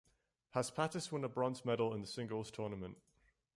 Paspatis won a bronze medal in the singles tournament.